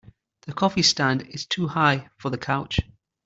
The coffee stand is too high for the couch.